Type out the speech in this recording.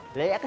pe bark kan